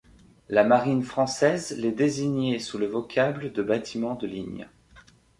La marine française les désignait sous le vocable de bâtiments de ligne.